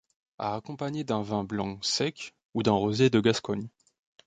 À accompagner d'un vin blanc sec, ou d'un rosé de Gascogne.